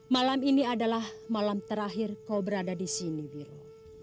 malam ini adalah malam terakhir kau berada di sini wiro